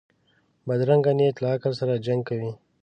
بدرنګه نیت له عقل سره جنګ کوي